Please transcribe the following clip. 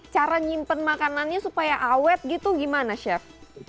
cara nyimpen makanannya supaya awet gitu gimana chef